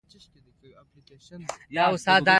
د پيشوګانو په پرتله سپي زيات مينه ناک وي